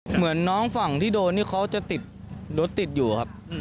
เหมือนน้องฝั่งที่โดนนี่เขาจะติดรถติดอยู่ครับ